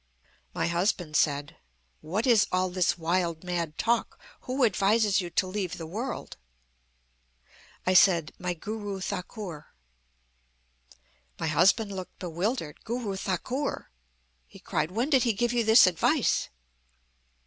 "My husband said: 'What is all this wild, mad talk? Who advises you to leave the world?' "I said: 'My Guru Thakur.' "My husband looked bewildered. 'Guru Thakur!' he cried. 'When did he give you this advice?'